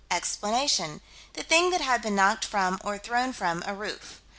Explanation: That the thing had been knocked from, or thrown from, a roof.